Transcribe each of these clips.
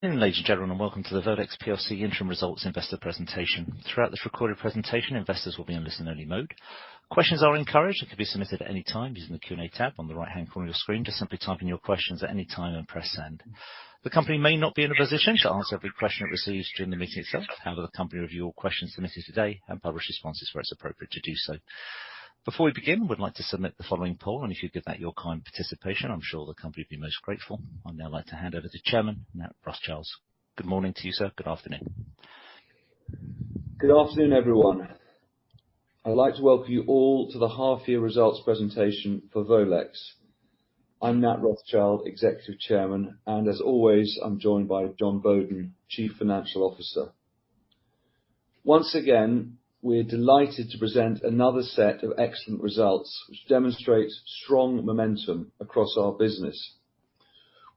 Ladies and gentlemen, Welcome to the Volex plc Interim Results Investor Presentation. Throughout this recorded presentation, investors will be in listen only mode. Questions are encouraged and can be submitted at any time using the Q&A tab on the right-hand corner of your screen. Just simply type in your questions at any time and press send. The company may not be in a position to answer every question it receives during the meeting itself. However, the company will review all questions submitted today and publish responses where it's appropriate to do so. Before we begin, we'd like to submit the following poll, and if you'd give that your kind participation, I'm sure the company will be most grateful. I'd now like to hand over to Chairman Nat Rothschild. Good morning to you, sir. Good afternoon. Good afternoon, everyone. I'd like to welcome you all to the half year results presentation for Volex. I'm Nat Rothschild, Executive Chairman, and as always, I'm joined by Jon Boaden, Chief Financial Officer. Once again, we're delighted to present another set of excellent results which demonstrate strong momentum across our business.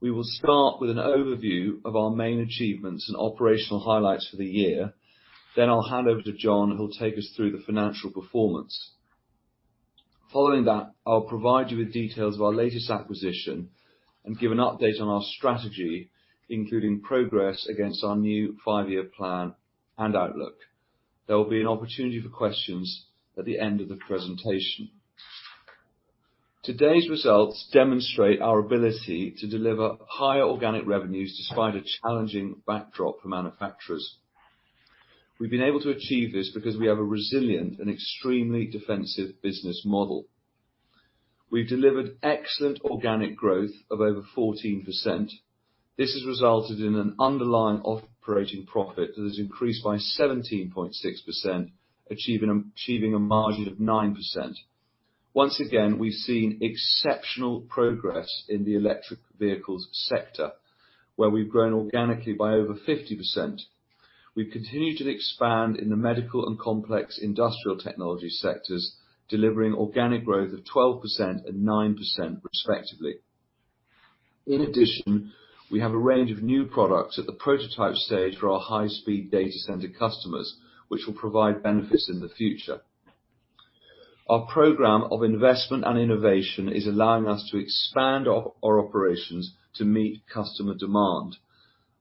We will start with an overview of our main achievements and operational highlights for the year. Then I'll hand over to Jon, who'll take us through the financial performance. Following that, I'll provide you with details of our latest acquisition and give an update on our strategy, including progress against our new five-year plan and outlook. There will be an opportunity for questions at the end of the presentation. Today's results demonstrate our ability to deliver higher organic revenues despite a challenging backdrop for manufacturers. We've been able to achieve this because we have a resilient and extremely defensive business model. We've delivered excellent organic growth of over 14%. This has resulted in an underlying operating profit that has increased by 17.6%, achieving a margin of 9%. Once again, we've seen exceptional progress in the Electric Vehicles sector, where we've grown organically by over 50%. We continue to expand in the Medical and Complex Industrial Technology sectors, delivering organic growth of 12% and 9% respectively. In addition, we have a range of new products at the prototype stage for our high-speed data center customers, which will provide benefits in the future. Our program of investment and innovation is allowing us to expand our operations to meet customer demand.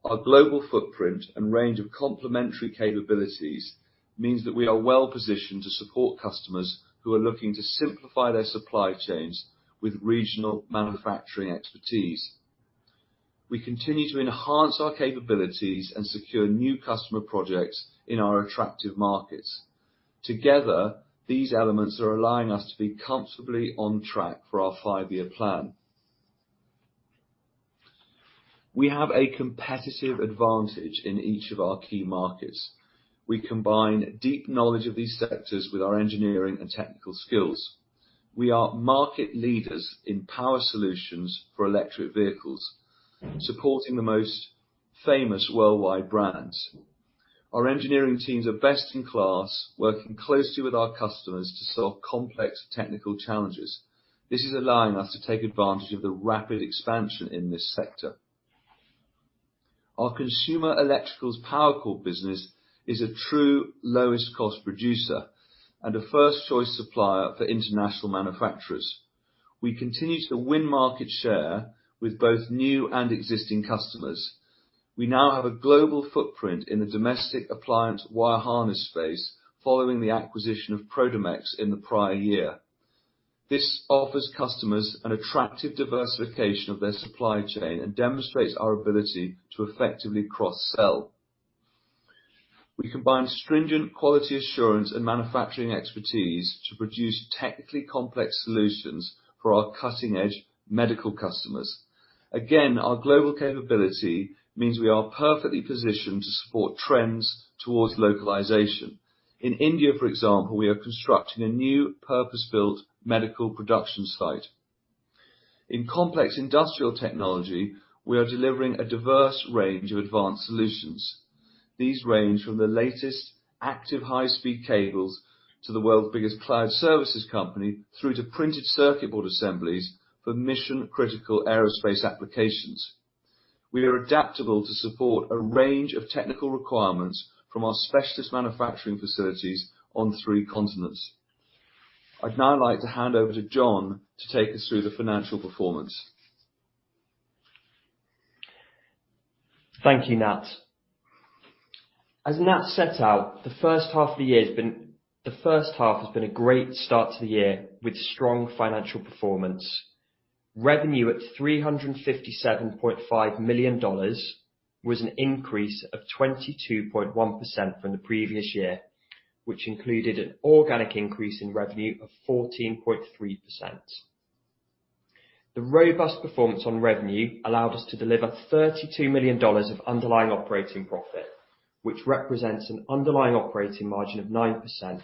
Our global footprint and range of complementary capabilities means that we are well-positioned to support customers who are looking to simplify their supply chains with regional manufacturing expertise. We continue to enhance our capabilities and secure new customer projects in our attractive markets. Together, these elements are allowing us to be comfortably on track for our five-year plan. We have a competitive advantage in each of our key markets. We combine deep knowledge of these sectors with our engineering and technical skills. We are market leaders in power solutions for Electric Vehicles, supporting the most famous worldwide brands. Our engineering teams are best in class, working closely with our customers to solve complex technical challenges. This is allowing us to take advantage of the rapid expansion in this sector. Our Consumer Electrical power core business is a true lowest cost producer and a first choice supplier for international manufacturers. We continue to win market share with both new and existing customers. We now have a global footprint in the domestic appliance wire harness space following the acquisition of Prodamex in the prior year. This offers customers an attractive diversification of their supply chain and demonstrates our ability to effectively cross-sell. We combine stringent quality assurance and manufacturing expertise to produce technically complex solutions for our cutting-edge Medical customers. Again, our global capability means we are perfectly positioned to support trends towards localization. In India, for example, we are constructing a new purpose-built Medical production site. In Complex Industrial Technology, we are delivering a diverse range of advanced solutions. These range from the latest active high-speed cables to the world's biggest cloud services company, through to printed circuit board assemblies for mission-critical aerospace applications. We are adaptable to support a range of technical requirements from our specialist manufacturing facilities on three continents. I'd now like to hand over to Jon to take us through the financial performance. Thank you, Nat. As Nat set out, the first half has been a great start to the year with strong financial performance. Revenue at $357.5 million was an increase of 22.1% from the previous year, which included an organic increase in revenue of 14.3%. The robust performance on revenue allowed us to deliver $32 million of underlying operating profit, which represents an underlying operating margin of 9%.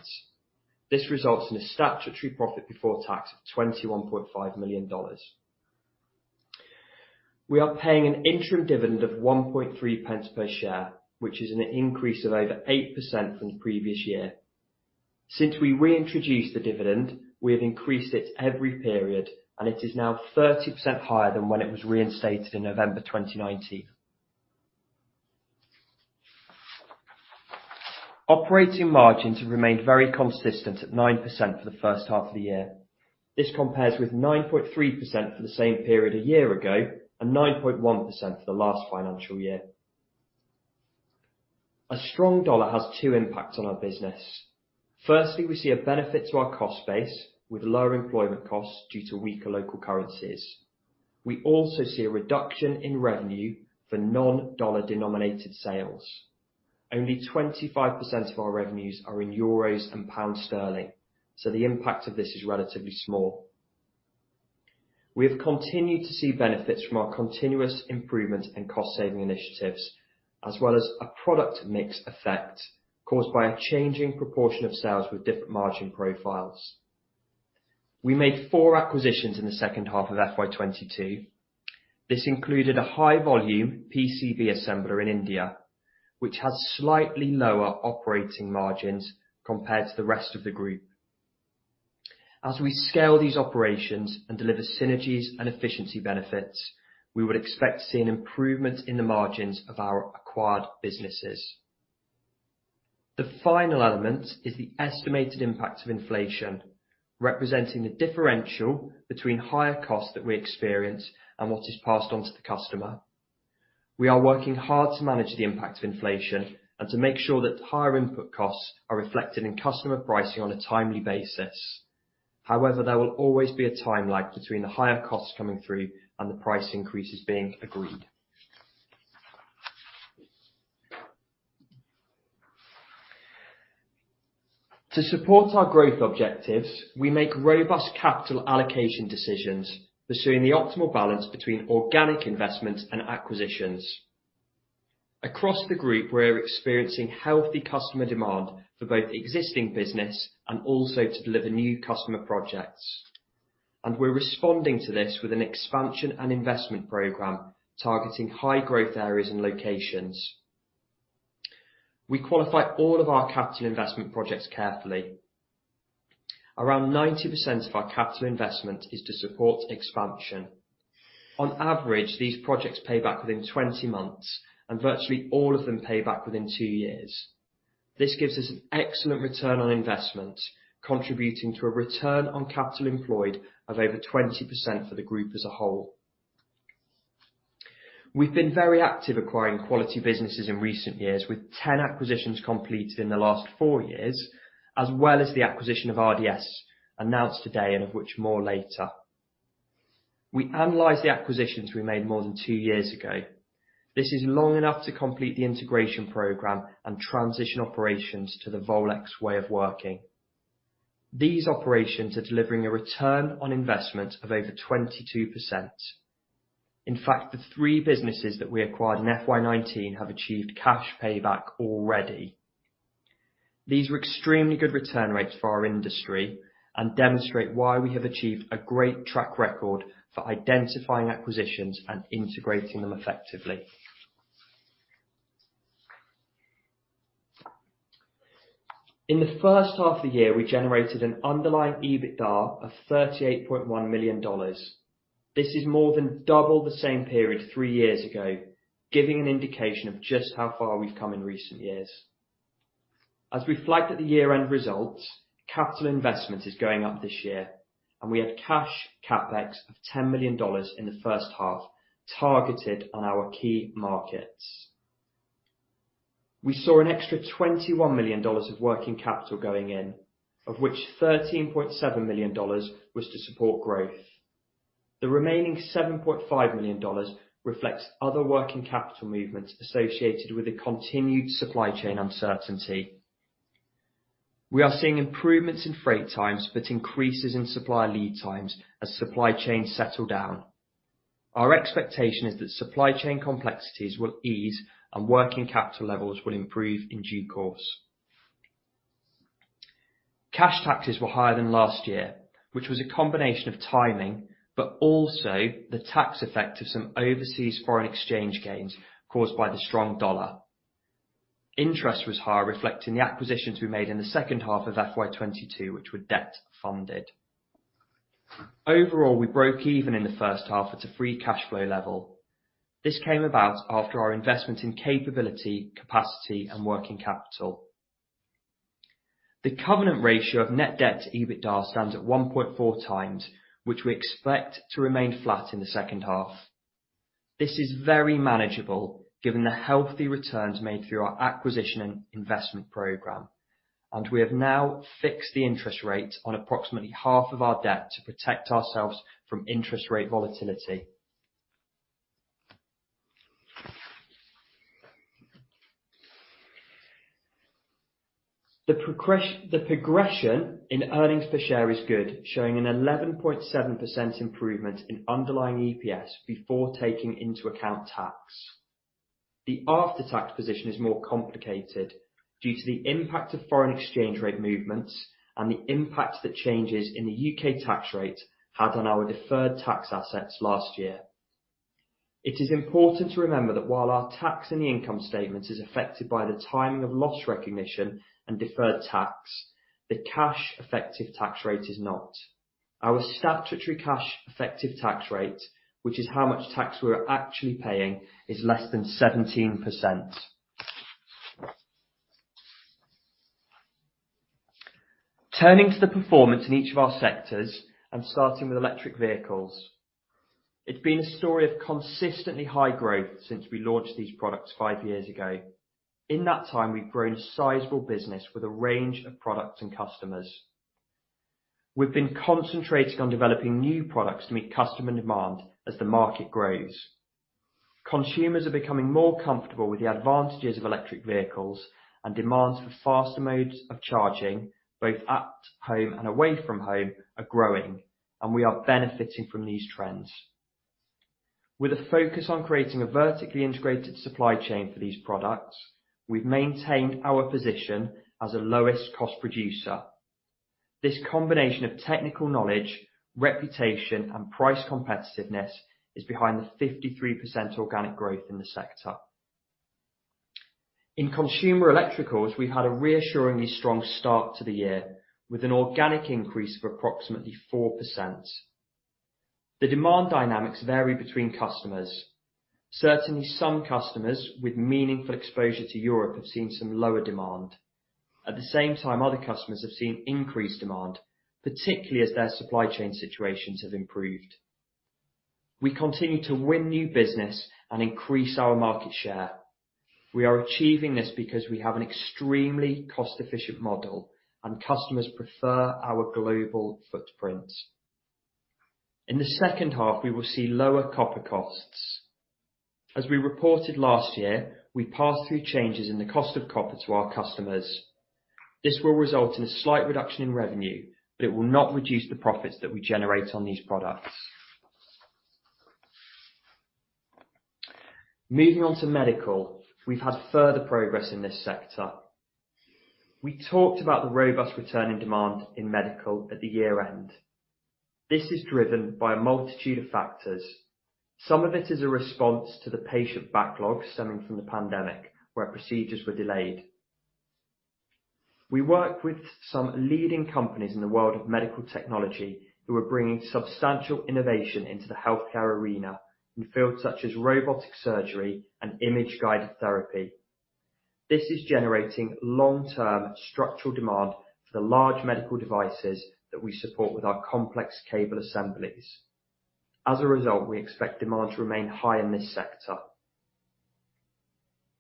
This results in a statutory profit before tax of $21.5 million. We are paying an interim dividend of 0.013 per share, which is an increase of over 8% from the previous year. Since we reintroduced the dividend, we have increased it every period, and it is now 30% higher than when it was reinstated in November 2019. Operating margins have remained very consistent at 9% for the first half of the year. This compares with 9.3% for the same period a year ago, and 9.1% for the last financial year. A strong dollar has two impacts on our business. Firstly, we see a benefit to our cost base with lower employment costs due to weaker local currencies. We also see a reduction in revenue for non-dollar denominated sales. Only 25% of our revenues are in euros and pound sterling, so the impact of this is relatively small. We have continued to see benefits from our continuous improvement and cost-saving initiatives, as well as a product mix effect caused by a changing proportion of sales with different margin profiles. We made four acquisitions in the second half of FY22. This included a high volume PCB assembler in India, which has slightly lower operating margins compared to the rest of the group. As we scale these operations and deliver synergies and efficiency benefits, we would expect to see an improvement in the margins of our acquired businesses. The final element is the estimated impact of inflation, representing the differential between higher costs that we experience and what is passed on to the customer. We are working hard to manage the impact of inflation and to make sure that higher input costs are reflected in customer pricing on a timely basis. However, there will always be a time lag between the higher costs coming through and the price increases being agreed. To support our growth objectives, we make robust capital allocation decisions, pursuing the optimal balance between organic investments and acquisitions. Across the group, we're experiencing healthy customer demand for both existing business and also to deliver new customer projects. We're responding to this with an expansion and investment program targeting high growth areas and locations. We qualify all of our capital investment projects carefully. Around 90% of our capital investment is to support expansion. On average, these projects pay back within 20 months, and virtually all of them pay back within two years. This gives us an excellent return on investment, contributing to a return on capital employed of over 20% for the group as a whole. We've been very active acquiring quality businesses in recent years, with 10 acquisitions completed in the last four years, as well as the acquisition of RDS, announced today and of which more later. We analyze the acquisitions we made more than two years ago. This is long enough to complete the integration program and transition operations to the Volex way of working. These operations are delivering a return on investment of over 22%. In fact, the three businesses that we acquired in FY19 have achieved cash payback already. These were extremely good return rates for our industry and demonstrate why we have achieved a great track record for identifying acquisitions and integrating them effectively. In the first half of the year, we generated an underlying EBITDA of $38.1 million. This is more than double the same period three years ago, giving an indication of just how far we've come in recent years. As we flagged at the year-end results, capital investment is going up this year, and we had cash CapEx of $10 million in the first half targeted on our key markets. We saw an extra $21 million of working capital going in, of which $13.7 million was to support growth. The remaining $7.5 million reflects other working capital movements associated with the continued supply chain uncertainty. We are seeing improvements in freight times, but increases in supply lead times as supply chains settle down. Our expectation is that supply chain complexities will ease and working capital levels will improve in due course. Cash taxes were higher than last year, which was a combination of timing, but also the tax effect of some overseas foreign exchange gains caused by the strong dollar. Interest was higher, reflecting the acquisitions we made in the second half of FY22, which were debt funded. Overall, we broke even in the first half at a free cash flow level. This came about after our investment in capability, capacity, and working capital. The covenant ratio of net debt to EBITDA stands at 1.4x, which we expect to remain flat in the second half. This is very manageable given the healthy returns made through our acquisition and investment program, and we have now fixed the interest rate on approximately half of our debt to protect ourselves from interest rate volatility. The progression in earnings per share is good, showing an 11.7% improvement in underlying EPS before taking into account tax. The after-tax position is more complicated due to the impact of foreign exchange rate movements and the impact that changes in the U.K. tax rate had on our deferred tax assets last year. It is important to remember that while our tax in the income statement is affected by the timing of loss recognition and deferred tax, the cash effective tax rate is not. Our statutory cash effective tax rate, which is how much tax we're actually paying, is less than 17%. Turning to the performance in each of our sectors and starting with Electric Vehicles. It's been a story of consistently high growth since we launched these products five years ago. In that time, we've grown a sizable business with a range of products and customers. We've been concentrating on developing new products to meet customer demand as the market grows. Consumers are becoming more comfortable with the advantages of Electric Vehicles, and demands for faster modes of charging, both at home and away from home, are growing, and we are benefiting from these trends. With a focus on creating a vertically integrated supply chain for these products, we've maintained our position as a lowest cost producer. This combination of technical knowledge, reputation, and price competitiveness is behind the 53% organic growth in the sector. In Consumer Electricals, we've had a reassuringly strong start to the year with an organic increase of approximately 4%. The demand dynamics vary between customers. Certainly, some customers with meaningful exposure to Europe have seen some lower demand. At the same time, other customers have seen increased demand, particularly as their supply chain situations have improved. We continue to win new business and increase our market share. We are achieving this because we have an extremely cost-efficient model, and customers prefer our global footprint. In the second half, we will see lower copper costs. As we reported last year, we pass through changes in the cost of copper to our customers. This will result in a slight reduction in revenue, but it will not reduce the profits that we generate on these products. Moving on to Medical. We've had further progress in this sector. We talked about the robust returning demand in Medical at the year-end. This is driven by a multitude of factors. Some of it is a response to the patient backlog stemming from the pandemic, where procedures were delayed. We work with some leading companies in the world of medical technology who are bringing substantial innovation into the healthcare arena in fields such as robotic surgery and image-guided therapy. This is generating long-term structural demand for the large medical devices that we support with our complex cable assemblies. As a result, we expect demand to remain high in this sector.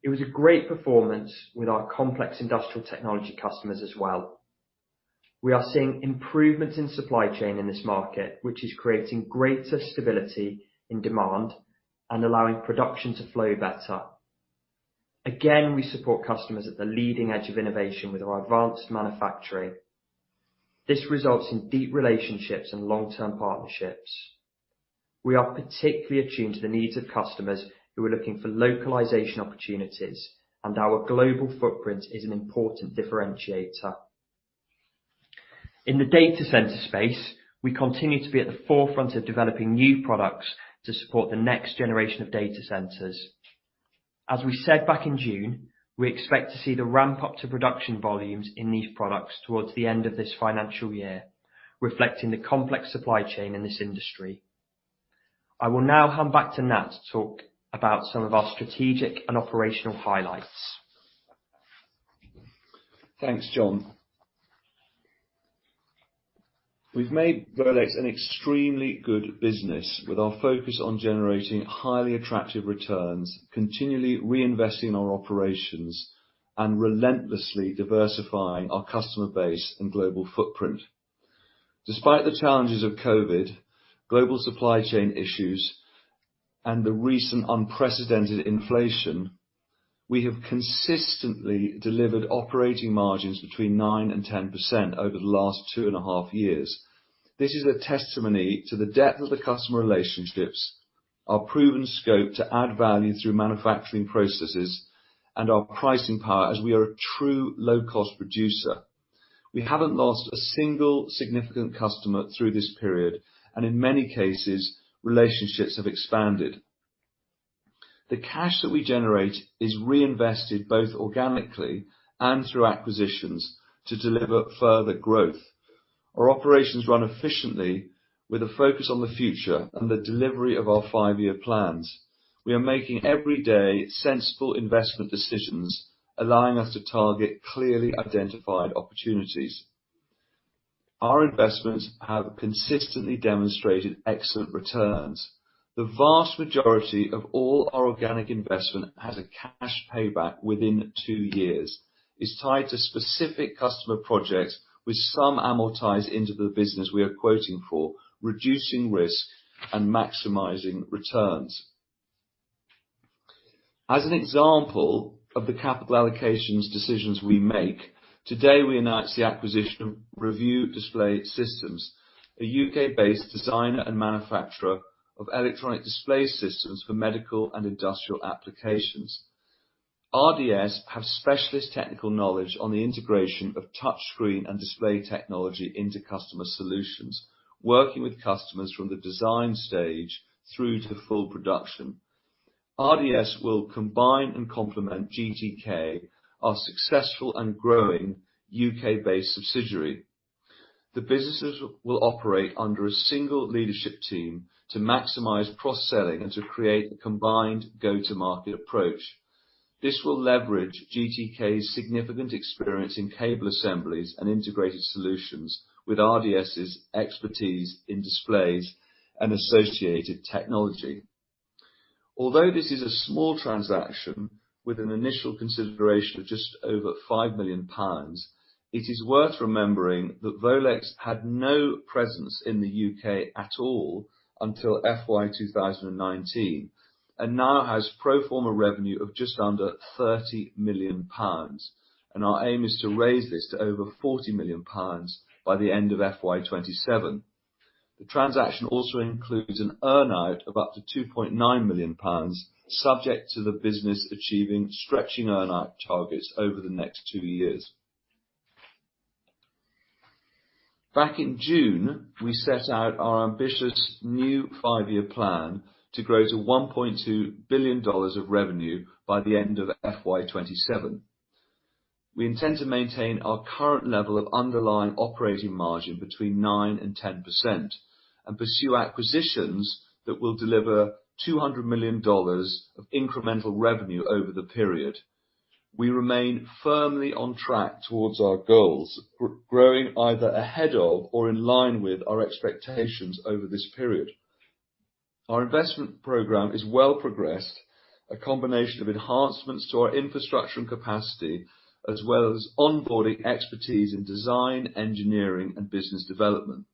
It was a great performance with our Complex Industrial Technology customers as well. We are seeing improvements in supply chain in this market, which is creating greater stability in demand and allowing production to flow better. Again, we support customers at the leading edge of innovation with our advanced manufacturing. This results in deep relationships and long-term partnerships. We are particularly attuned to the needs of customers who are looking for localization opportunities, and our global footprint is an important differentiator. In the data center space, we continue to be at the forefront of developing new products to support the next generation of data centers. As we said back in June, we expect to see the ramp up to production volumes in these products towards the end of this financial year, reflecting the complex supply chain in this industry. I will now hand back to Nat to talk about some of our strategic and operational highlights. Thanks, Jon. We've made Volex an extremely good business with our focus on generating highly attractive returns, continually reinvesting in our operations, and relentlessly diversifying our customer base and global footprint. Despite the challenges of COVID, global supply chain issues, and the recent unprecedented inflation, we have consistently delivered operating margins between 9% and 10% over the last two and a half years. This is a testimony to the depth of the customer relationships, our proven scope to add value through manufacturing processes, and our pricing power as we are a true low cost producer. We haven't lost a single significant customer through this period, and in many cases, relationships have expanded. The cash that we generate is reinvested both organically and through acquisitions to deliver further growth. Our operations run efficiently with a focus on the future and the delivery of our five-year plans. We are making everyday sensible investment decisions, allowing us to target clearly identified opportunities. Our investments have consistently demonstrated excellent returns. The vast majority of all our organic investment has a cash payback within two years, is tied to specific customer projects with some amortized into the business we are quoting for, reducing risk and maximizing returns. As an example of the capital allocations decisions we make, today we announce the acquisition of Review Display Systems, a U.K.-based designer and manufacturer of electronic display systems for Medical and industrial applications. RDS have specialist technical knowledge on the integration of touch screen and display technology into customer solutions, working with customers from the design stage through to full production. RDS will combine and complement GTK, our successful and growing U.K.-based subsidiary. The businesses will operate under a single leadership team to maximize cross-selling and to create a combined go-to-market approach. This will leverage GTK's significant experience in cable assemblies and integrated solutions with RDS's expertise in displays and associated technology. Although this is a small transaction with an initial consideration of just over 5 million pounds, it is worth remembering that Volex had no presence in the U.K. at all until FY 2019, and now has pro forma revenue of just under 30 million pounds. Our aim is to raise this to over 40 million pounds by the end of FY 2027. The transaction also includes an earn-out of up to 2.9 million pounds, subject to the business achieving stretching earn-out targets over the next two years. Back in June, we set out our ambitious new five-year plan to grow to $1.2 billion of revenue by the end of FY 2027. We intend to maintain our current level of underlying operating margin between 9% and 10% and pursue acquisitions that will deliver $200 million of incremental revenue over the period. We remain firmly on track toward our goals, growing either ahead of or in line with our expectations over this period. Our investment program is well progressed, a combination of enhancements to our infrastructure and capacity, as well as onboarding expertise in design, engineering, and business development.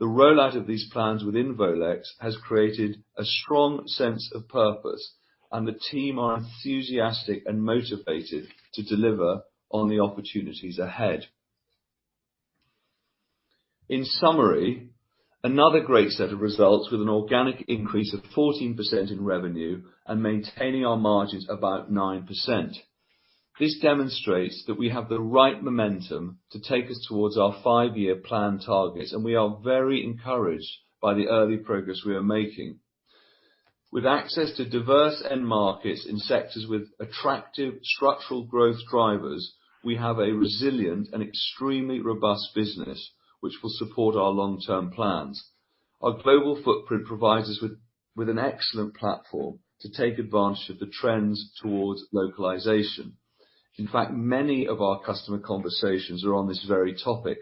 The rollout of these plans within Volex has created a strong sense of purpose, and the team are enthusiastic and motivated to deliver on the opportunities ahead. In summary, another great set of results with an organic increase of 14% in revenue and maintaining our margins about 9%. This demonstrates that we have the right momentum to take us towards our five-year plan targets, and we are very encouraged by the early progress we are making. With access to diverse end markets in sectors with attractive structural growth drivers, we have a resilient and extremely robust business which will support our long-term plans. Our global footprint provides us with an excellent platform to take advantage of the trends towards localization. In fact, many of our customer conversations are on this very topic.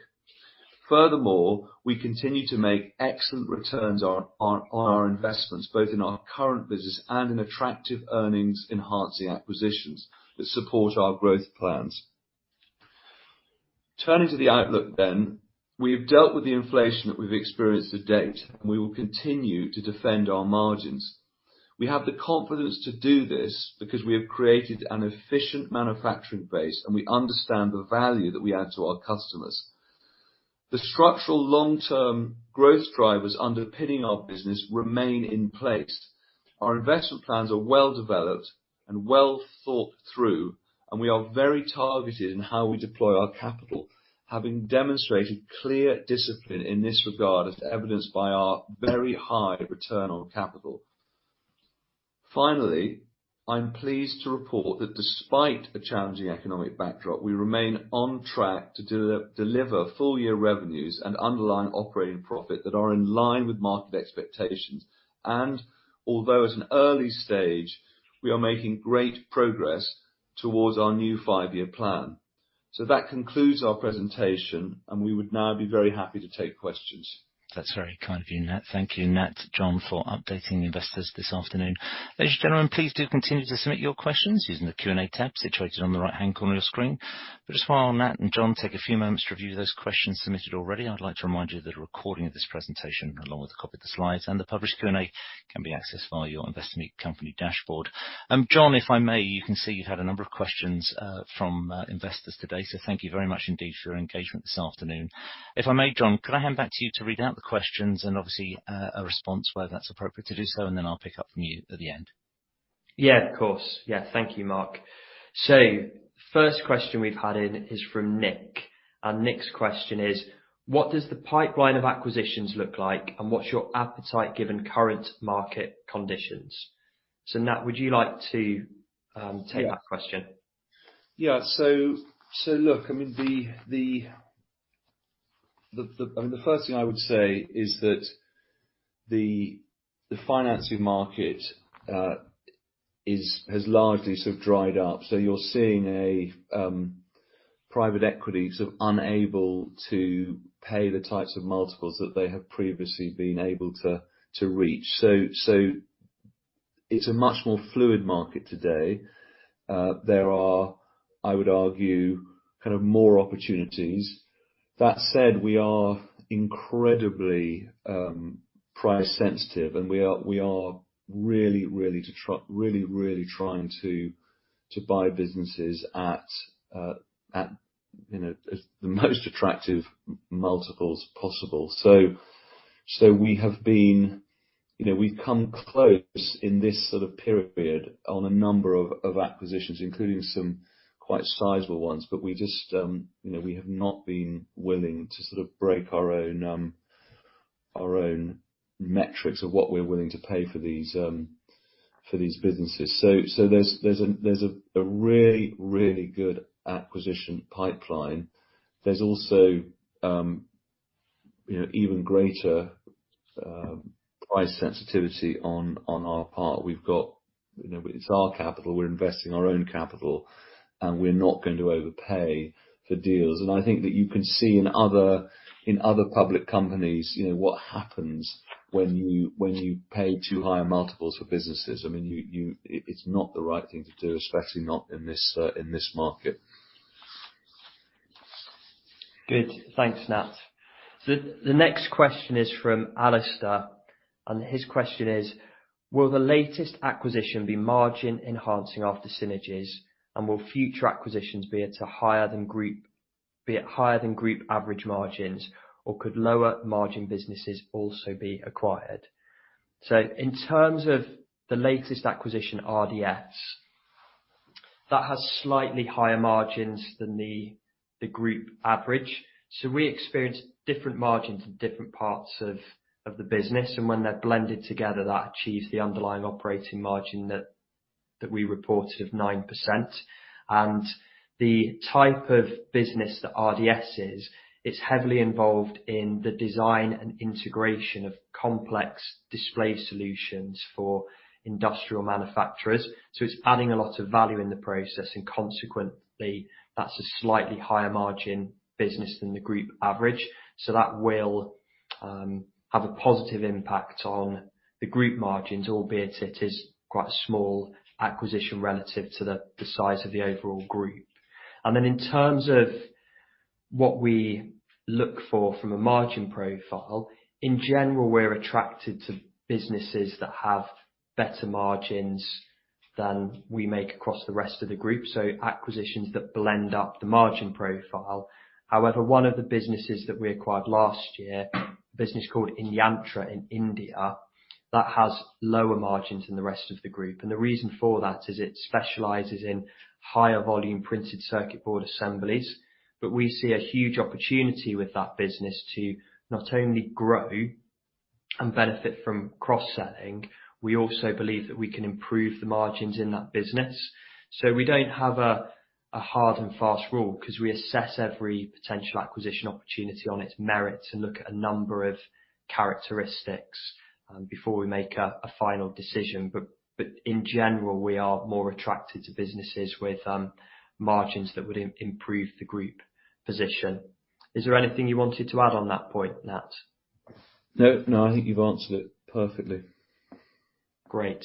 Furthermore, we continue to make excellent returns on our investments, both in our current business and in attractive earnings-enhancing acquisitions that support our growth plans. Turning to the outlook. We have dealt with the inflation that we've experienced to date, and we will continue to defend our margins. We have the confidence to do this because we have created an efficient manufacturing base, and we understand the value that we add to our customers. The structural long-term growth drivers underpinning our business remain in place. Our investment plans are well developed and well thought through, and we are very targeted in how we deploy our capital, having demonstrated clear discipline in this regard, as evidenced by our very high return on capital. Finally, I'm pleased to report that despite a challenging economic backdrop, we remain on track to deliver full year revenues and underlying operating profit that are in line with market expectations. Although it's an early stage, we are making great progress towards our new five-year plan. That concludes our presentation, and we would now be very happy to take questions. That's very kind of you, Nat. Thank you, Nat, Jon, for updating investors this afternoon. Ladies, gentlemen, please do continue to submit your questions using the Q&A tab situated on the right-hand corner of your screen. Just while Nat and Jon take a few moments to review those questions submitted already, I'd like to remind you that a recording of this presentation, along with a copy of the slides and the published Q&A, can be accessed via your Investor Meet Company dashboard. Jon, if I may, you can see you've had a number of questions, from investors today, so thank you very much indeed for your engagement this afternoon. If I may, Jon, could I hand back to you to read out the questions and obviously, a response whether that's appropriate to do so, and then I'll pick up from you at the end. Yeah, of course. Yeah. Thank you, Mark. First question we've had in is from Nick. Nick's question is: What does the pipeline of acquisitions look like, and what's your appetite given current market conditions? Nat, would you like to take that question? Look, I mean, the first thing I would say is that the financing market has largely sort of dried up, so you're seeing private equity sort of unable to pay the types of multiples that they have previously been able to reach. It's a much more fluid market today. There are, I would argue, kind of more opportunities. That said, we are incredibly price sensitive, and we are really, really trying to buy businesses at, you know, at the most attractive multiples possible. We have been, you know, we've come close in this sort of period on a number of acquisitions, including some quite sizable ones, but we just, you know, we have not been willing to sort of break our own our own metrics of what we're willing to pay for these for these businesses. There's a really good acquisition pipeline. There's also, you know, even greater price sensitivity on our part. We've got. You know, it's our capital. We're investing our own capital, and we're not going to overpay for deals. I think that you can see in other public companies, you know, what happens when you pay too high multiples for businesses. I mean, you. It's not the right thing to do, especially not in this market. Good. Thanks, Nat. The next question is from Alistair, and his question is: Will the latest acquisition be margin enhancing after synergies, and will future acquisitions be at higher than group average margins, or could lower margin businesses also be acquired? In terms of the latest acquisition, RDS, that has slightly higher margins than the group average. We experience different margins in different parts of the business, and when they're blended together, that achieves the underlying operating margin that we reported of 9%. The type of business that RDS is, it's heavily involved in the design and integration of complex display solutions for industrial manufacturers, so it's adding a lot of value in the process, and consequently, that's a slightly higher margin business than the group average. That will have a positive impact on the group margins, albeit it is quite a small acquisition relative to the size of the overall group. In terms of what we look for from a margin profile, in general, we're attracted to businesses that have better margins than we make across the rest of the group, so acquisitions that blend up the margin profile. However, one of the businesses that we acquired last year, a business called inYantra in India, that has lower margins than the rest of the group, and the reason for that is it specializes in higher volume printed circuit board assemblies. We see a huge opportunity with that business to not only grow and benefit from cross-selling, we also believe that we can improve the margins in that business. We don't have a hard and fast rule 'cause we assess every potential acquisition opportunity on its merits and look at a number of characteristics before we make a final decision. In general, we are more attracted to businesses with margins that would improve the group position. Is there anything you wanted to add on that point, Nat? No. No, I think you've answered it perfectly. Great.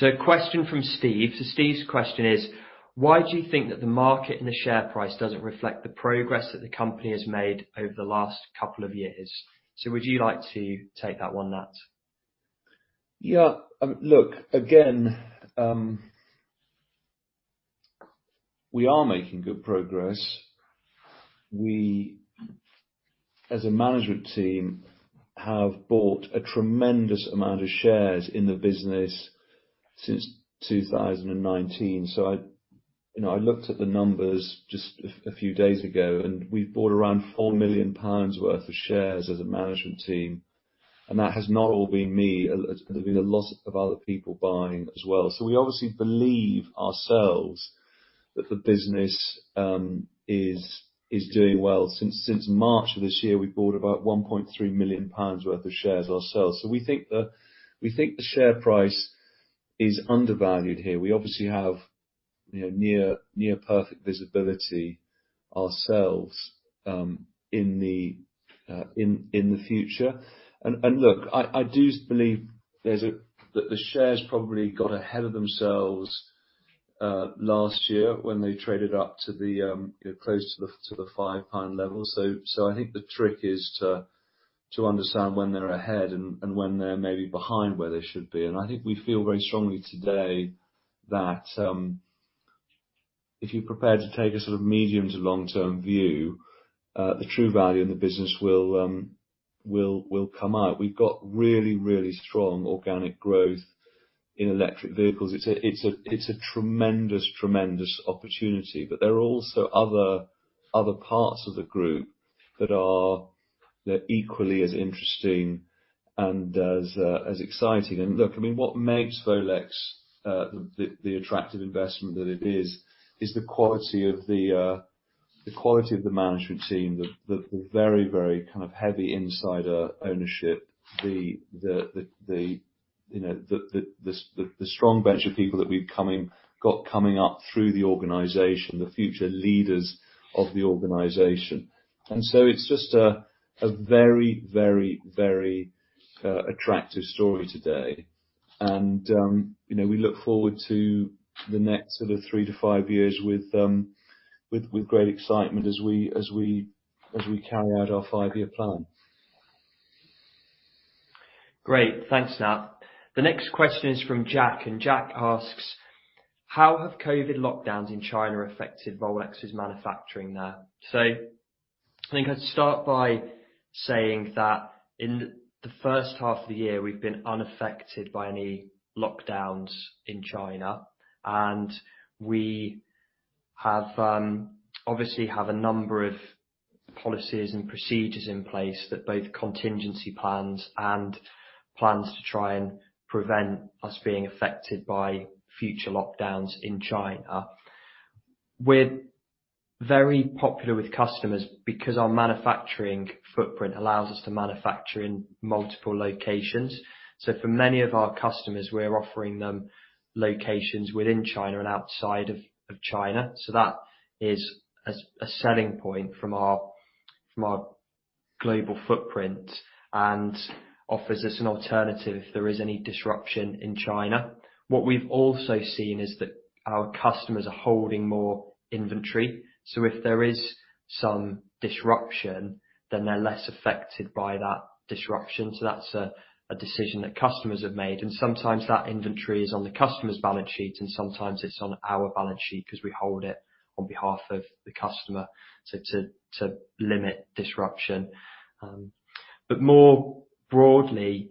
A question from Steve. Steve's question is: Why do you think that the market and the share price doesn't reflect the progress that the company has made over the last couple of years? Would you like to take that one, Nat? Yeah. Look, again, we are making good progress. We, as a management team, have bought a tremendous amount of shares in the business since 2019. I, you know, looked at the numbers just a few days ago, and we've bought around 4 million pounds worth of shares as a management team, and that has not all been me. There's been a lot of other people buying as well. We obviously believe ourselves that the business is doing well. Since March of this year, we've bought about 1.3 million pounds worth of shares ourselves. We think the share price is undervalued here. We obviously have, you know, near perfect visibility ourselves in the future. Look, I do believe there's a. That the shares probably got ahead of themselves last year when they traded up to the, you know, close to the 5 pound level. I think the trick is to understand when they're ahead and when they're maybe behind where they should be. I think we feel very strongly today that if you're prepared to take a sort of medium to long-term view, the true value in the business will come out. We've got really strong organic growth in Electric Vehicles. It's a tremendous opportunity. There are also other parts of the group that are they're equally as interesting and as exciting. Look, I mean, what makes Volex the attractive investment that it is is the quality of the management team, the very kind of heavy insider ownership, you know, the strong bench of people that we've got coming up through the organization, the future leaders of the organization. It's just a very attractive story today. You know, we look forward to the next sort of three to five years with great excitement as we carry out our five-year plan. Great. Thanks, Nat. The next question is from Jack, and Jack asks: How have COVID lockdowns in China affected Volex's manufacturing there? I think I'd start by saying that in the first half of the year, we've been unaffected by any lockdowns in China, and we have obviously have a number of policies and procedures in place that both contingency plans and plans to try and prevent us being affected by future lockdowns in China. We're very popular with customers because our manufacturing footprint allows us to manufacture in multiple locations. For many of our customers, we're offering them locations within China and outside of China. That is a selling point from our global footprint and offers us an alternative if there is any disruption in China. What we've also seen is that our customers are holding more inventory, so if there is some disruption, then they're less affected by that disruption. That's a decision that customers have made, and sometimes that inventory is on the customer's balance sheet, and sometimes it's on our balance sheet 'cause we hold it on behalf of the customer to limit disruption. More broadly,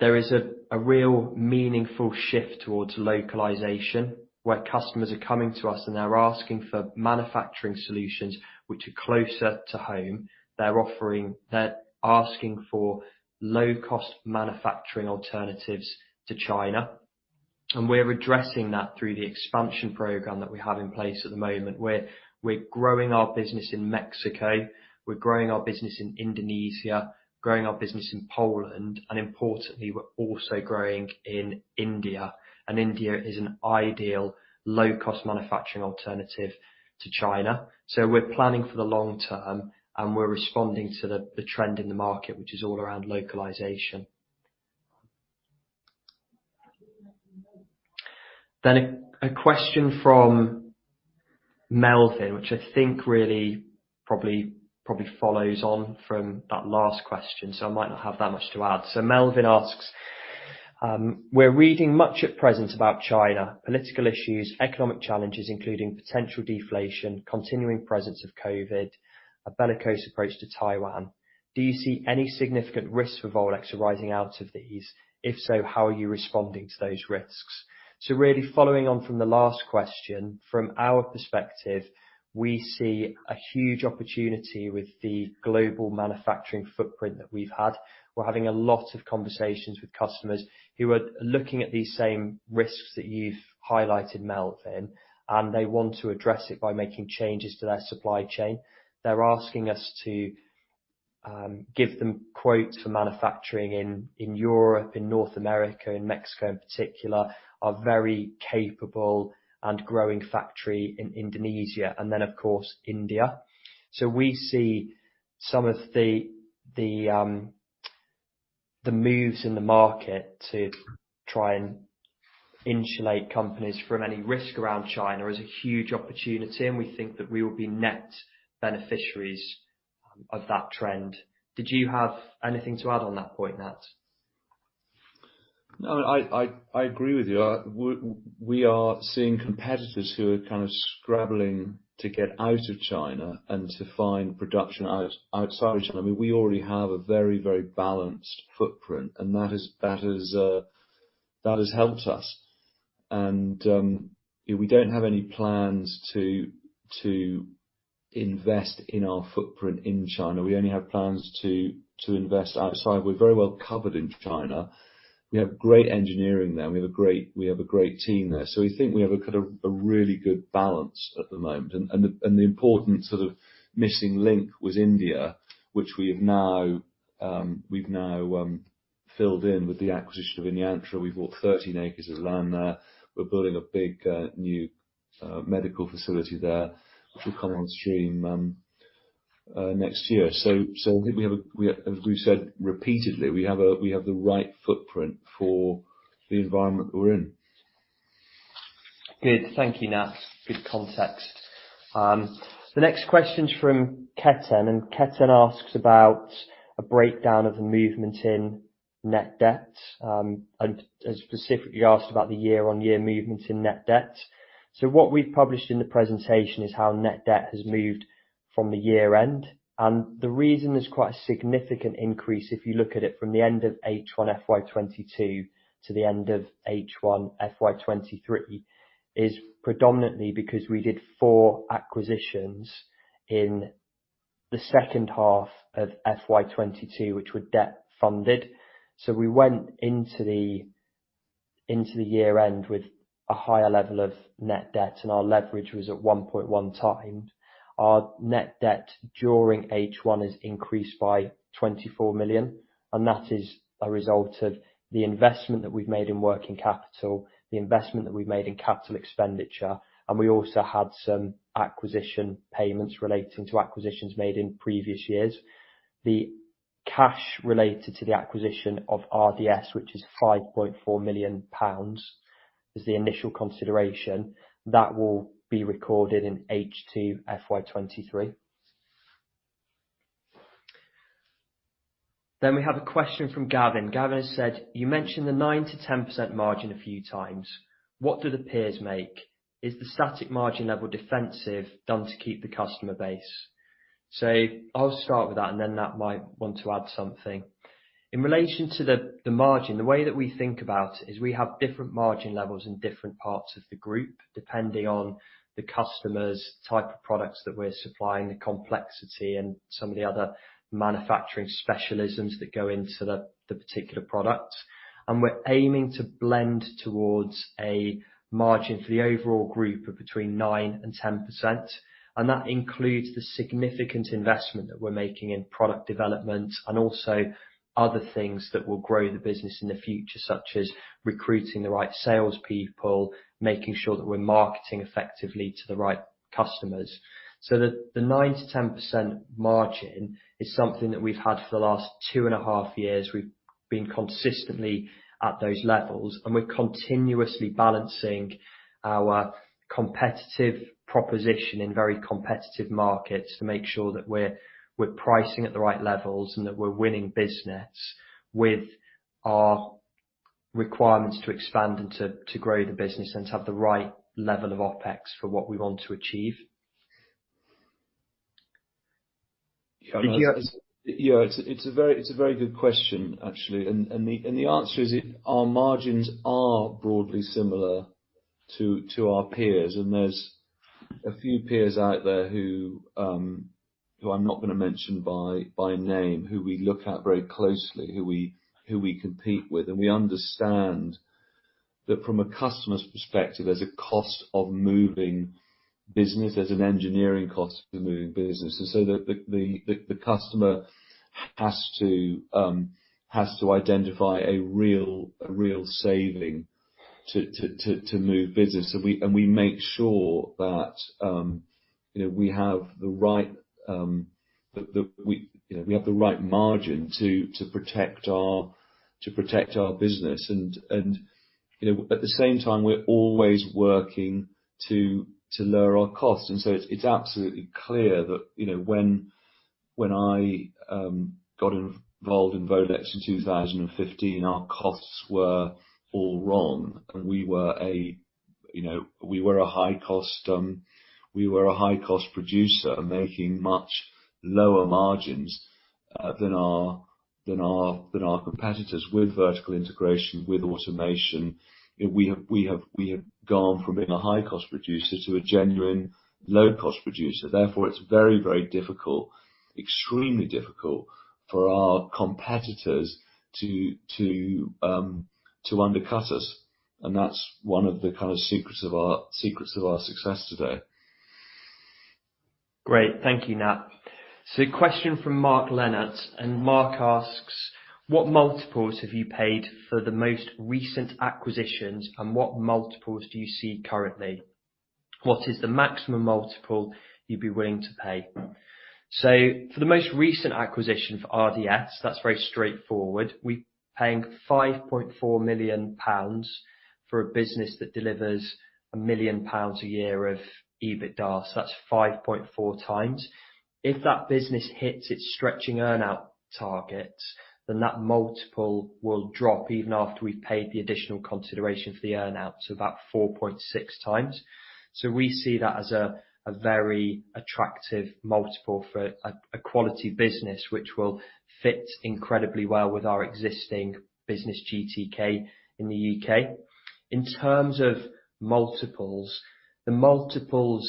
there is a real meaningful shift towards localization, where customers are coming to us and they're asking for manufacturing solutions which are closer to home. They're offering. They're asking for low-cost manufacturing alternatives to China, and we're addressing that through the expansion program that we have in place at the moment, where we're growing our business in Mexico, we're growing our business in Indonesia, growing our business in Poland, and importantly, we're also growing in India, and India is an ideal low-cost manufacturing alternative to China. We're planning for the long term, and we're responding to the trend in the market, which is all around localization. A question from Melvin, which I think really probably follows on from that last question, so I might not have that much to add. Melvin asks, "We're reading much at present about China, political issues, economic challenges, including potential deflation, continuing presence of COVID, a bellicose approach to Taiwan. Do you see any significant risks for Volex arising out of these? If so, how are you responding to those risks?" Really following on from the last question, from our perspective, we see a huge opportunity with the global manufacturing footprint that we've had. We're having a lot of conversations with customers who are looking at these same risks that you've highlighted, Melvin, and they want to address it by making changes to their supply chain. They're asking us to give them quotes for manufacturing in Europe, in North America, in Mexico in particular, our very capable and growing factory in Indonesia, and then of course, India. We see some of the moves in the market to try and insulate companies from any risk around China is a huge opportunity, and we think that we will be net beneficiaries of that trend. Did you have anything to add on that point, Nat? No, I agree with you. We are seeing competitors who are kind of scrambling to get out of China and to find production outside China. I mean, we already have a very balanced footprint, and that has helped us. We don't have any plans to invest in our footprint in China. We only have plans to invest outside. We're very well covered in China. We have great engineering there, and we have a great team there. We think we have a kind of a really good balance at the moment. The important sort of missing link was India, which we have now filled in with the acquisition of inYantra. We bought 13 acres of land there. We're building a big new Medical facility there, which will come on stream next year. As we've said repeatedly, we have the right footprint for the environment that we're in. Good. Thank you, Nat. Good context. The next question's from Ketan, and Ketan asks about a breakdown of the movement in net debt, and has specifically asked about the year-on-year movement in net debt. What we've published in the presentation is how net debt has moved from the year end. The reason there's quite a significant increase, if you look at it from the end of H1 FY22 to the end of H1 FY23, is predominantly because we did four acquisitions in the second half of FY22, which were debt funded. We went into the year end with a higher level of net debt, and our leverage was at 1.1x. Our net debt during H1 has increased by 24 million, and that is a result of the investment that we've made in working capital, the investment that we've made in capital expenditure, and we also had some acquisition payments relating to acquisitions made in previous years. The cash related to the acquisition of RDS, which is 5.4 million pounds, is the initial consideration. That will be recorded in H2 FY23. We have a question from Gavin. Gavin has said, "You mentioned the 9%-10% margin a few times. What do the peers make? Is the static margin level defensively done to keep the customer base?" I'll start with that, and then Nat might want to add something. In relation to the margin, the way that we think about is we have different margin levels in different parts of the group, depending on the customer's type of products that we're supplying, the complexity and some of the other manufacturing specialisms that go into the particular product. We're aiming to blend towards a margin for the overall group of between 9% and 10%, and that includes the significant investment that we're making in product development and also other things that will grow the business in the future, such as recruiting the right sales people, making sure that we're marketing effectively to the right customers. The 9%-10% margin is something that we've had for the last two and a half years. We've been consistently at those levels, and we're continuously balancing our competitive proposition in very competitive markets to make sure that we're pricing at the right levels and that we're winning business with our requirements to expand and to grow the business and to have the right level of OpEx for what we want to achieve. It's a very good question, actually. The answer is our margins are broadly similar to our peers, and there's a few peers out there who I'm not gonna mention by name, who we look at very closely, who we compete with. We understand that from a customer's perspective, there's a cost of moving business. There's an engineering cost of moving business. The customer has to identify a real saving to move business. We make sure that, you know, we have the right margin to protect our business. You know, at the same time, we're always working to lower our costs. It's absolutely clear that, you know, when I got involved in Volex in 2015, our costs were all wrong, and we were a high cost producer making much lower margins than our competitors with vertical integration, with automation. You know, we have gone from being a high cost producer to a genuine low cost producer. Therefore, it's very difficult, extremely difficult for our competitors to undercut us, and that's one of the kind of secrets of our success today. Great. Thank you, Nat. A question from Mark Mayall. Mark asks, "What multiples have you paid for the most recent acquisitions, and what multiples do you see currently? What is the maximum multiple you'd be willing to pay?" For the most recent acquisition for RDS, that's very straightforward. We're paying 5.4 million pounds for a business that delivers 1 million pounds a year of EBITDA, so that's 5.4x. If that business hits its stretching earn-out targets, then that multiple will drop even after we've paid the additional consideration for the earn-out, so about 4.6x. We see that as a very attractive multiple for a quality business, which will fit incredibly well with our existing business GTK in the U.K.. In terms of multiples, the multiples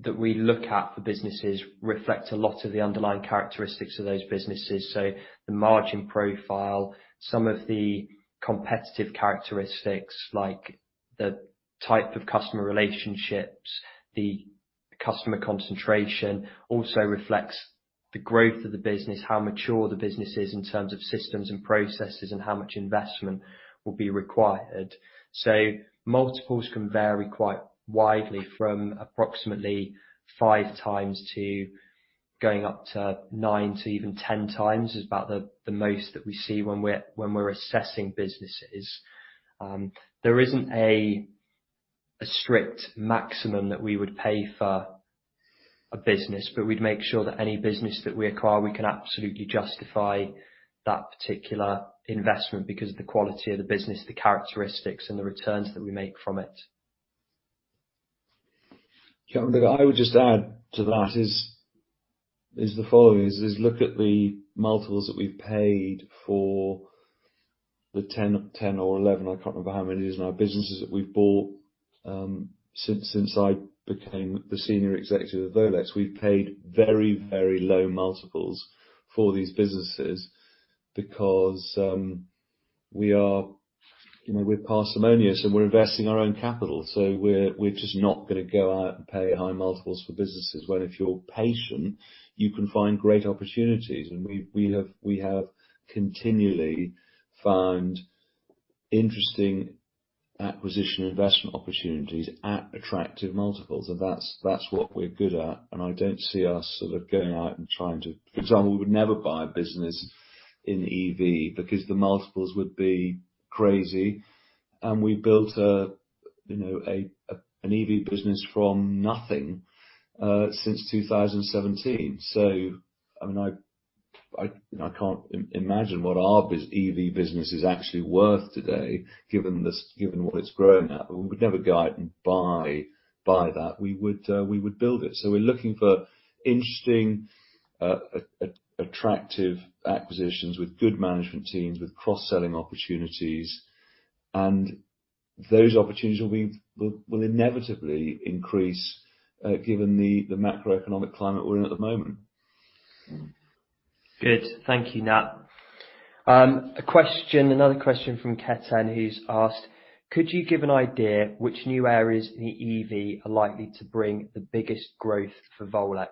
that we look at for businesses reflect a lot of the underlying characteristics of those businesses. The margin profile, some of the competitive characteristics, like the type of customer relationships, the customer concentration also reflects the growth of the business, how mature the business is in terms of systems and processes and how much investment will be required. Multiples can vary quite widely from approximately 5x to going up to 9x to even 10x is about the most that we see when we're assessing businesses. There isn't a strict maximum that we would pay for a business, but we'd make sure that any business that we acquire, we can absolutely justify that particular investment because of the quality of the business, the characteristics and the returns that we make from it. Ketan, I would just add to that is the following. Look at the multiples that we've paid for the 10 or 11, I can't remember how many it is now, businesses that we've bought since I became the senior executive of Volex. We've paid very, very low multiples for these businesses because we are, you know, we're parsimonious and we're investing our own capital, so we're just not gonna go out and pay high multiples for businesses when if you're patient, you can find great opportunities. We have continually found interesting acquisition investment opportunities at attractive multiples and that's what we're good at and I don't see us sort of going out and trying to. For example, we would never buy a business in EV because the multiples would be crazy and we built a, you know, an EV business from nothing since 2017. I mean, I can't imagine what our EV business is actually worth today, given what it's grown at. We would never go and buy that, we would build it. We're looking for interesting attractive acquisitions with good management teams, with cross-selling opportunities. Those opportunities will inevitably increase given the macroeconomic climate we're in at the moment. Good. Thank you, Nat. A question, another question from Ketan, who's asked, "Could you give an idea which new areas in the EV are likely to bring the biggest growth for Volex?"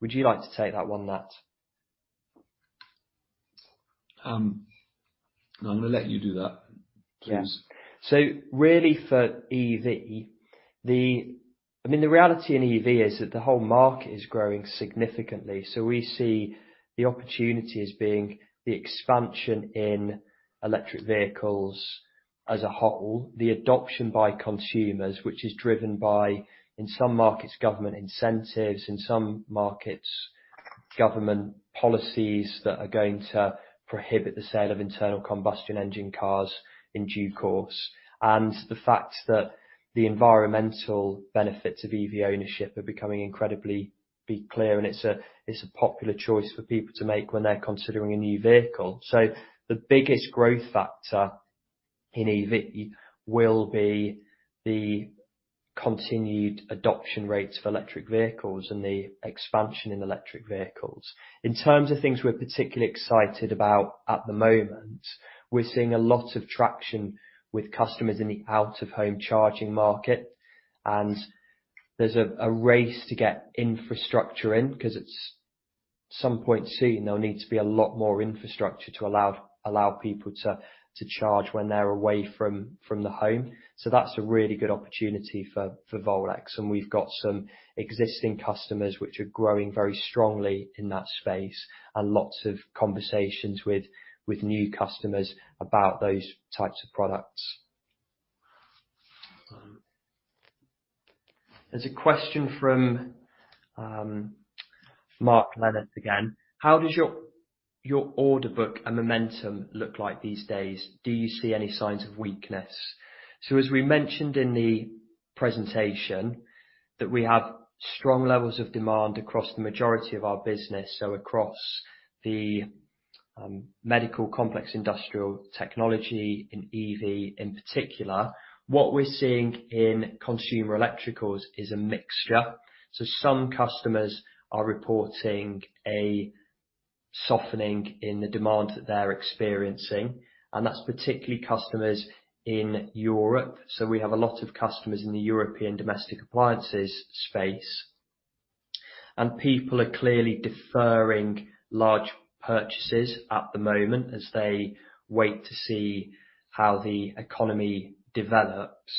Would you like to take that one, Nat? No, I'm gonna let you do that. Yeah. Please. Really for EV, I mean, the reality in EV is that the whole market is growing significantly. We see the opportunity as being the expansion in Electric Vehicles as a whole. The adoption by consumers, which is driven by, in some markets, government incentives, in some markets, government policies that are going to prohibit the sale of internal combustion engine cars in due course. The fact that the environmental benefits of EV ownership are becoming incredibly clear, and it's a popular choice for people to make when they're considering a new vehicle. The biggest growth factor in EV will be the continued adoption rates for Electric Vehicles and the expansion in Electric Vehicles. In terms of things we're particularly excited about at the moment, we're seeing a lot of traction with customers in the out-of-home charging market, and there's a race to get infrastructure in 'cause it's some point soon, there'll need to be a lot more infrastructure to allow people to charge when they're away from the home. That's a really good opportunity for Volex, and we've got some existing customers which are growing very strongly in that space, and lots of conversations with new customers about those types of products. There's a question from Mark Mayall again: "How does your order book and momentum look like these days? Do you see any signs of weakness?" As we mentioned in the presentation, that we have strong levels of demand across the majority of our business, so across the Medical complex, industrial technology, in EV in particular. What we're seeing in Consumer Electricals is a mixture. Some customers are reporting a softening in the demand that they're experiencing, and that's particularly customers in Europe. We have a lot of customers in the European domestic appliances space. People are clearly deferring large purchases at the moment as they wait to see how the economy develops.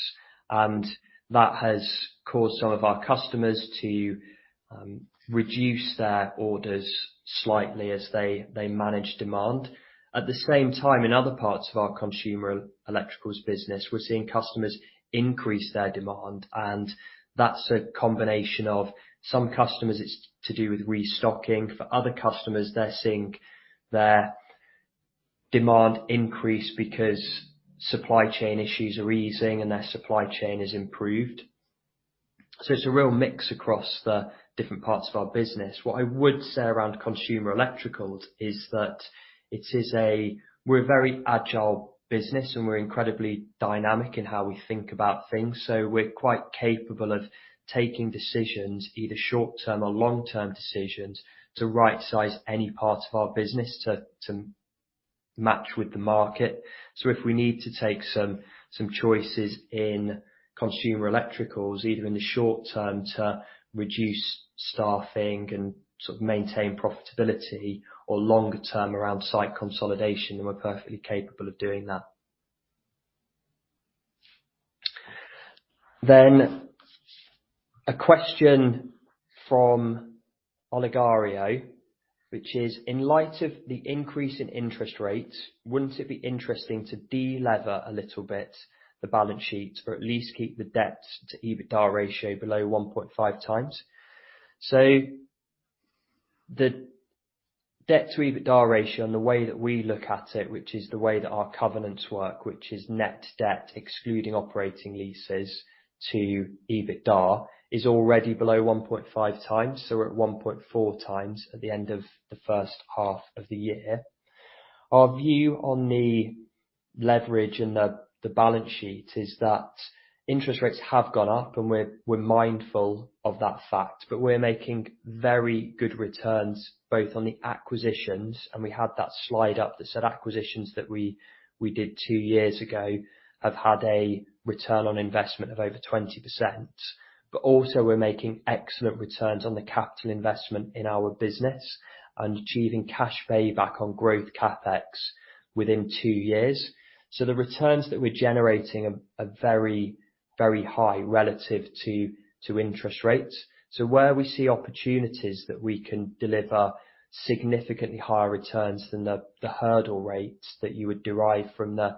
That has caused some of our customers to reduce their orders slightly as they manage demand. At the same time, in other parts of our Consumer Electricals business, we're seeing customers increase their demand, and that's a combination of some customers it's to do with restocking. For other customers, they're seeing their demand increase because supply chain issues are easing and their supply chain has improved. It's a real mix across the different parts of our business. What I would say around Consumer Electricals is that it is. We're a very agile business, and we're incredibly dynamic in how we think about things, so we're quite capable of taking decisions, either short-term or long-term decisions, to rightsize any part of our business to match with the market. If we need to take some choices in Consumer Electricals, either in the short term to reduce staffing and sort of maintain profitability, or longer term around site consolidation, we're perfectly capable of doing that. A question from Olegario, which is: "In light of the increase in interest rates, wouldn't it be interesting to delever a little bit the balance sheet or at least keep the debt to EBITDA ratio below 1.5x?" The debt to EBITDA ratio and the way that we look at it, which is the way that our covenants work, which is net debt excluding operating leases to EBITDA, is already below 1.5x, so we're at 1.4x at the end of the first half of the year. Our view on the leverage and the balance sheet is that interest rates have gone up, and we're mindful of that fact, but we're making very good returns both on the acquisitions, and we had that slide up that said acquisitions that we did two years ago have had a return on investment of over 20%. Also we're making excellent returns on the capital investment in our business and achieving cash payback on growth CapEx within two years. The returns that we're generating are very, very high relative to interest rates. Where we see opportunities that we can deliver significantly higher returns than the hurdle rates that you would derive from the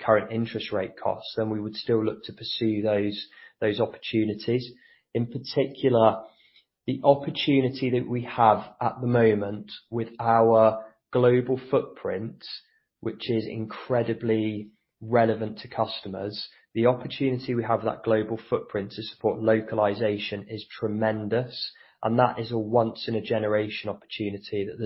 current interest rate costs, then we would still look to pursue those opportunities. In particular, the opportunity that we have at the moment with our global footprint, which is incredibly relevant to customers. The opportunity we have with that global footprint to support localization is tremendous, and that is a once in a generation opportunity. That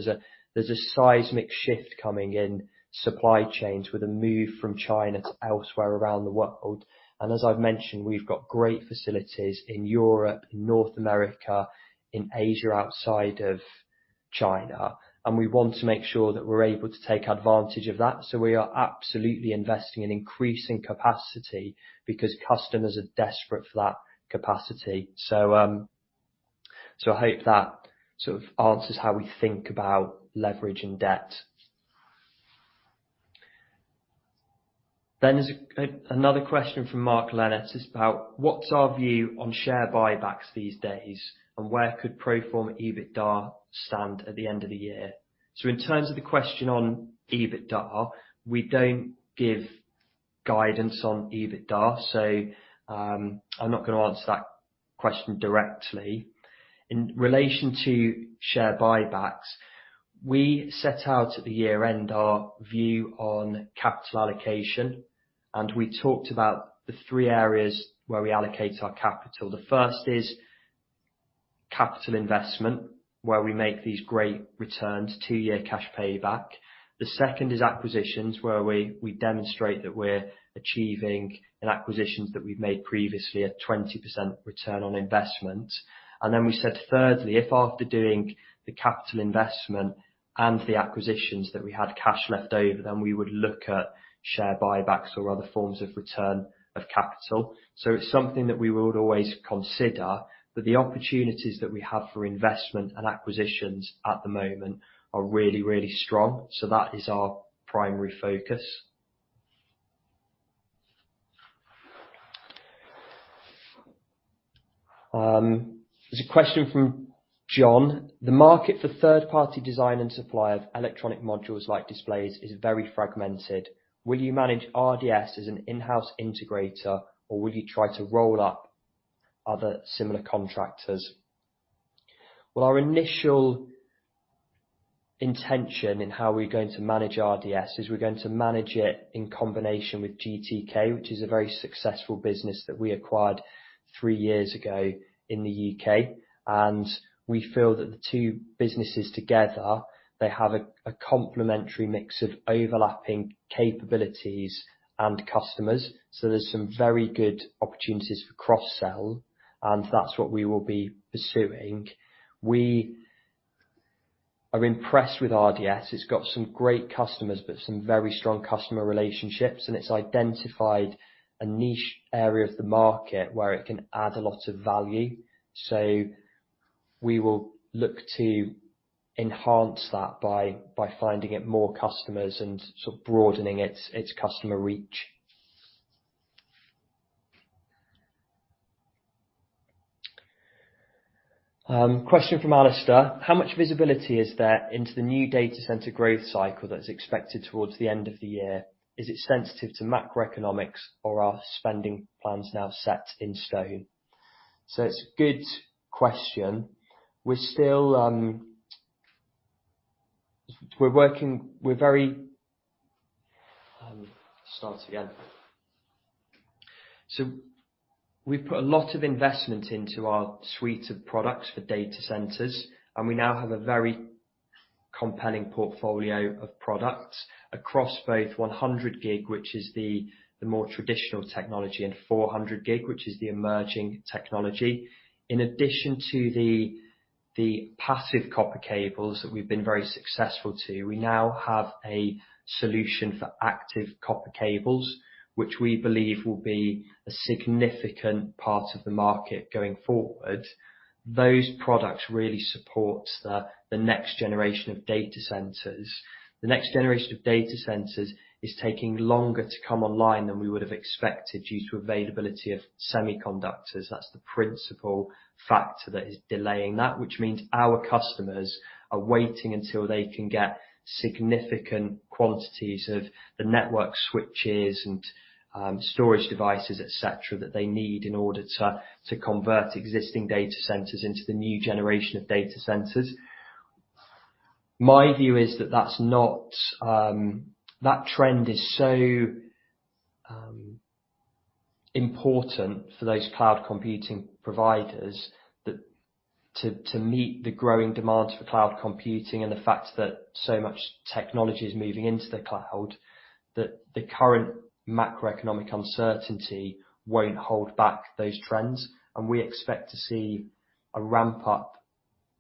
there's a seismic shift coming in supply chains with a move from China to elsewhere around the world. As I've mentioned, we've got great facilities in Europe, in North America, in Asia, outside of China, and we want to make sure that we're able to take advantage of that. We are absolutely investing in increasing capacity because customers are desperate for that capacity. I hope that sort of answers how we think about leveraging debt. There's another question from Mark Mayall. It's about what's our view on share buybacks these days, and where could pro forma EBITDA stand at the end of the year? In terms of the question on EBITDA, we don't give guidance on EBITDA, so, I'm not gonna answer that question directly. In relation to share buybacks, we set out at the year-end our view on capital allocation, and we talked about the three areas where we allocate our capital. The first is capital investment, where we make these great returns, two-year cash payback. The second is acquisitions, where we demonstrate that we're achieving in acquisitions that we've made previously a 20% return on investment. Then we said thirdly, if after doing the capital investment and the acquisitions that we had cash left over, then we would look at share buybacks or other forms of return of capital. It's something that we would always consider, but the opportunities that we have for investment and acquisitions at the moment are really, really strong. That is our primary focus. There's a question from Jon. The market for third-party design and supply of electronic modules like displays is very fragmented. Will you manage RDS as an in-house integrator, or will you try to roll up other similar contractors? Well, our initial intention in how we're going to manage RDS is we're going to manage it in combination with GTK, which is a very successful business that we acquired three years ago in the U.K. We feel that the two businesses together, they have a complementary mix of overlapping capabilities and customers. There's some very good opportunities for cross-sell, and that's what we will be pursuing. We are impressed with RDS. It's got some great customers, but some very strong customer relationships, and it's identified a niche area of the market where it can add a lot of value. We will look to enhance that by finding it more customers and sort of broadening its customer reach. Question from Alistair. How much visibility is there into the new data center growth cycle that's expected towards the end of the year? Is it sensitive to macroeconomics or are spending plans now set in stone? It's a good question. We've put a lot of investment into our suite of products for data centers, and we now have a very compelling portfolio of products across both 100G, which is the more traditional technology, and 400G, which is the emerging technology. In addition to the Passive Copper Cables that we've been very successful to, we now have a solution for Active Copper Cables, which we believe will be a significant part of the market going forward. Those products really support the next generation of data centers. The next generation of data centers is taking longer to come online than we would have expected due to availability of semiconductors. That's the principal factor that is delaying that, which means our customers are waiting until they can get significant quantities of the network switches and storage devices, et cetera, that they need in order to convert existing data centers into the new generation of data centers. My view is that that's not. That trend is so important for those cloud computing providers that to meet the growing demand for cloud computing and the fact that so much technology is moving into the cloud, that the current macroeconomic uncertainty won't hold back those trends. We expect to see a ramp up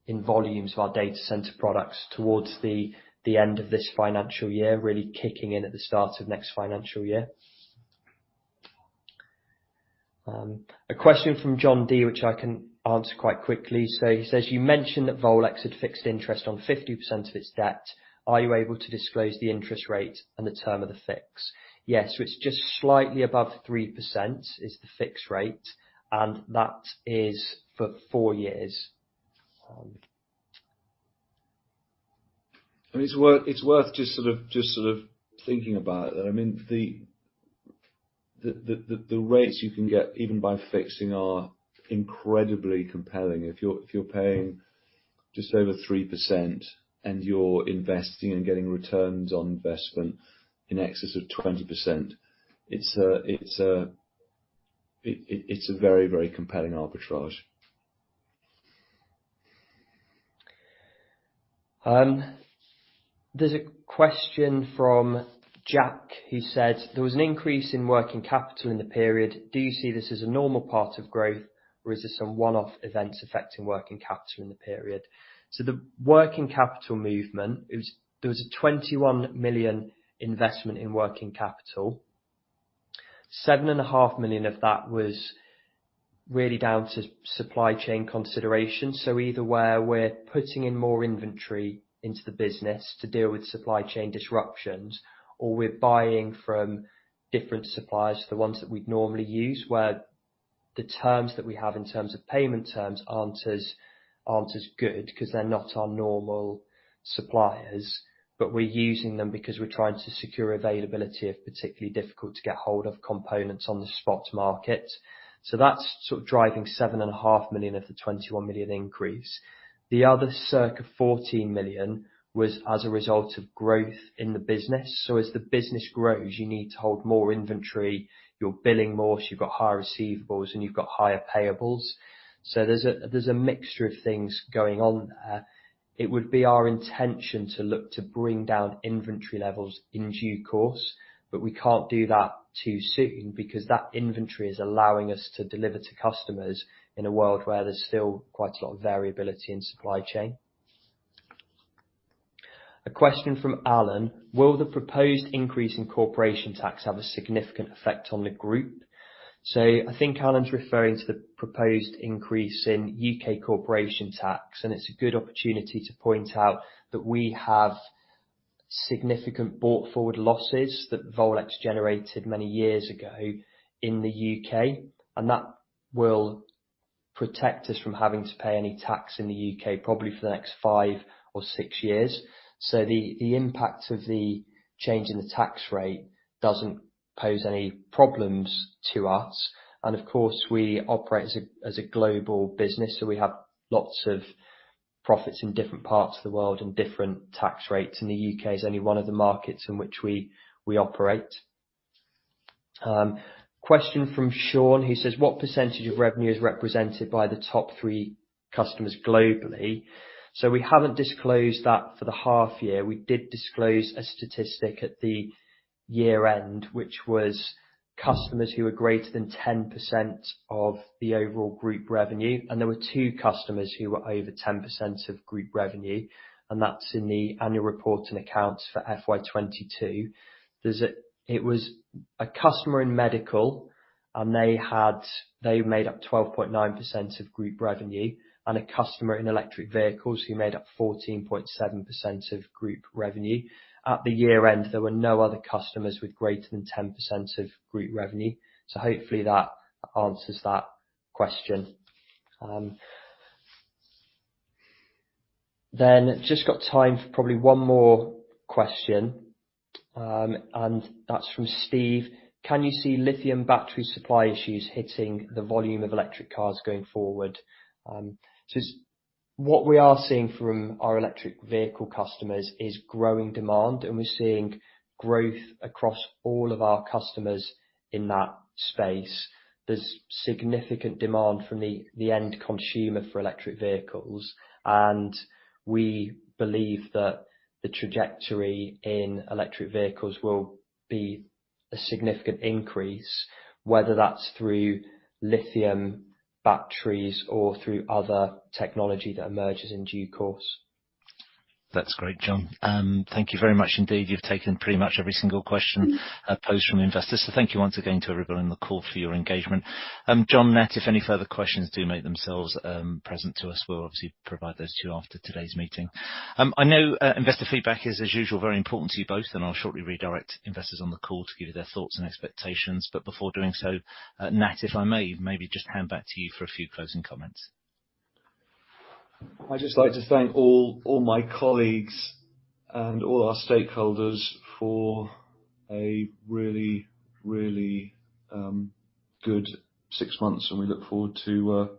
in volumes of our data center products towards the end of this financial year, really kicking in at the start of next financial year. A question from John D, which I can answer quite quickly. He says, you mentioned that Volex had fixed interest on 50% of its debt. Are you able to disclose the interest rate and the term of the fix? Yes. It's just slightly above 3% is the fixed rate, and that is for four years. It's worth just sort of thinking about it. I mean, the rates you can get even by fixing are incredibly compelling. If you're paying just over 3% and you're investing and getting returns on investment in excess of 20%, it's a very compelling arbitrage. There's a question from Jack. He said there was an increase in working capital in the period. Do you see this as a normal part of growth, or is this some one-off events affecting working capital in the period? The working capital movement is there was a $21 million investment in working capital. $7.5 million of that was really down to supply chain consideration. Either where we're putting in more inventory into the business to deal with supply chain disruptions, or we're buying from different suppliers to the ones that we'd normally use, where the terms that we have in terms of payment terms aren't as good 'cause they're not our normal suppliers. But we're using them because we're trying to secure availability of particularly difficult to get hold of components on the spot market. That's sort of driving $7.5 million of the $21 million increase. The other circa $14 million was as a result of growth in the business. As the business grows, you need to hold more inventory, you're billing more, so you've got higher receivables and you've got higher payables. There's a mixture of things going on there. It would be our intention to look to bring down inventory levels in due course, but we can't do that too soon because that inventory is allowing us to deliver to customers in a world where there's still quite a lot of variability in supply chain. A question from Alan: Will the proposed increase in corporation tax have a significant effect on the group? I think Alan's referring to the proposed increase in U.K. corporation tax, and it's a good opportunity to point out that we have significant brought forward losses that Volex generated many years ago in the U.K., and that will protect us from having to pay any tax in the U.K., probably for the next five or six years. The impact of the change in the tax rate doesn't pose any problems to us. Of course, we operate as a global business, so we have lots of profits in different parts of the world and different tax rates. The U.K. is only one of the markets in which we operate. Question from Sean, who says, "What % of revenue is represented by the top three customers globally?" We haven't disclosed that for the half year. We did disclose a statistic at the year-end, which was customers who were greater than 10% of the overall group revenue. There were two customers who were over 10% of group revenue, and that's in the annual report and accounts for FY22. It was a customer in Medical, and they made up 12.9% of group revenue, and a customer in Electric Vehicles who made up 14.7% of group revenue. At the year-end, there were no other customers with greater than 10% of group revenue. Hopefully, that answers that question. Then just got time for probably one more question, and that's from Steve. Can you see lithium battery supply issues hitting the volume of electric cars going forward? What we are seeing from our electric vehicle customers is growing demand, and we're seeing growth across all of our customers in that space. There's significant demand from the end consumer for Electric Vehicles, and we believe that the trajectory in Electric Vehicles will be a significant increase, whether that's through lithium batteries or through other technology that emerges in due course. That's great, Jon. Thank you very much indeed. You've taken pretty much every single question posed from investors. Thank you once again to everybody on the call for your engagement. Jon, Nat, if any further questions do make themselves present to us, we'll obviously provide those to you after today's meeting. I know investor feedback is as usual, very important to you both, and I'll shortly redirect investors on the call to give you their thoughts and expectations. Before doing so, Nat, if I may, maybe just hand back to you for a few closing comments. I'd just like to thank all my colleagues and all our stakeholders for a really good six months, and we look forward to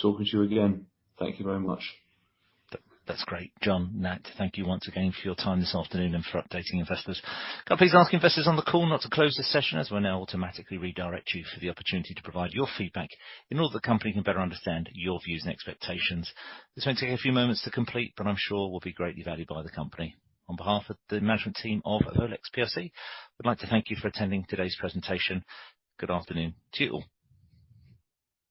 talking to you again. Thank you very much. That's great. Jon, Nat, thank you once again for your time this afternoon and for updating investors. Can I please ask investors on the call not to close this session as we'll now automatically redirect you for the opportunity to provide your feedback in order that the company can better understand your views and expectations. This may take a few moments to complete, but I'm sure will be greatly valued by the company. On behalf of the management team of Volex plc, we'd like to thank you for attending today's presentation. Good afternoon to you all.